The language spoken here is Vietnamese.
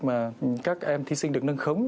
mà các em thi sinh được nâng khống